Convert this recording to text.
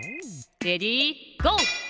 レディーゴー！